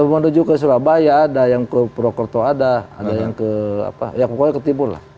menuju ke surabaya ada yang ke purwokerto ada ada yang ke apa ya pokoknya ke timur lah